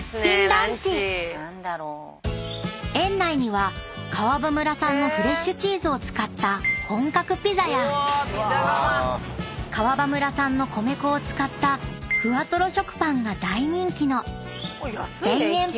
［園内には川場村産のフレッシュチーズを使った本格ピザや川場村産の米粉を使ったふわとろ食パンが大人気の］